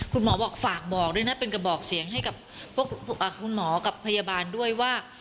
คุณหมอบอกฝากบอกด้วยนะเป็นกระบอกเสียงให้กับพวกคุณหมอกับพยาบาลด้วยว่า